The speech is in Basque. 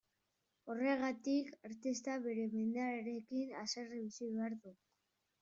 Horregatik, artistak bere mendearekin haserre bizi behar du.